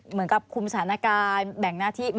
เหมือนกับคุมสถานการณ์แบ่งหน้าที่